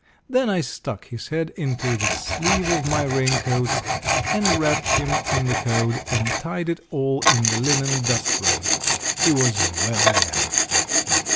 Then I stuck his head into the sleeve of my rain coat and wrapped him in the coat, and tied it all in the linen dust robe. He was well gagged.